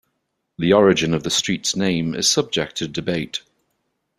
The origin of the street's name is subject to debate.